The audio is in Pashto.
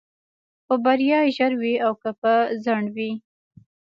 خو بريا ژر وي او که په ځنډ وي.